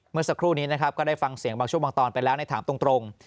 เมื่อสักครู่นี้นะครับก็ได้ฟังเสียงบางช่วงบางตอนไปแล้วในถามตรง